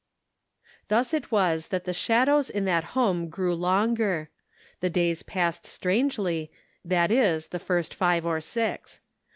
Thus it was that the shadows in that home grew longer ; the days passed strangely, that is, the first five or six.